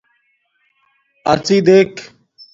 اڎݵ دیک